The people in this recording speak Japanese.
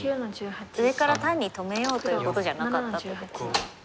上から単に止めようということじゃなかったと。